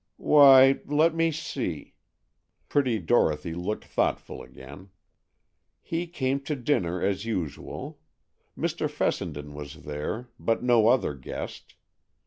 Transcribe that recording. "Why, let me see;" pretty Dorothy looked thoughtful again. "He came to dinner, as usual. Mr. Fessenden was there, but no other guest.